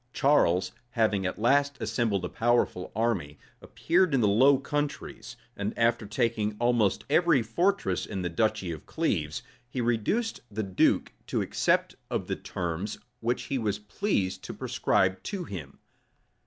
Charles, having at last assembled a powerful army, appeared in the Low Countries; and after taking almost every fortress in the duchy of Cleves, he reduced the duke to accept of the terms which he was pleased to prescribe to him.